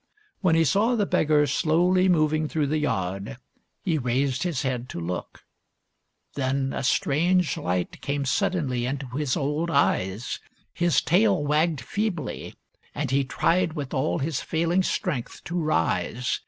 When he saw the beggar slowly moving through the yard, he raised his head to look. Then a strange light came suddenly into his old eyes. His tail wagged feebly, and he tried with all his failing strength to rise.